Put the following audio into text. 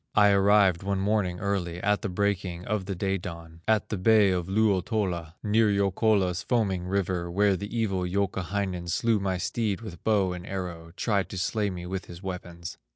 I arrived one morning early, At the breaking of the day dawn. At the bay of Luotola, Near Youkola's foaming river, Where the evil Youkahainen Slew my steed with bow and arrow, Tried to slay me with his weapons.